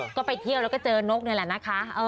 ก็ไปเที่ยวแล้วก็เจอนกนี่แหละนะคะ